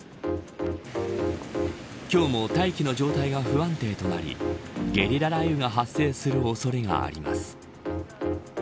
今日も大気の状態が不安定となりゲリラ雷雨が発生する恐れがあります。